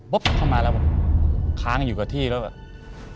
เข้ามาแล้วผมค้างอยู่กับที่แล้วแบบ